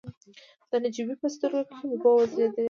د نجيبې په سترګو کې اوبه وځلېدلې.